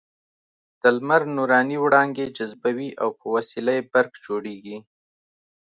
د لمر نوراني وړانګې جذبوي او په وسیله یې برق جوړېږي.